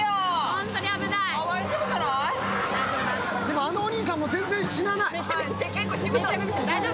でも、あのお兄さんも全然死なない。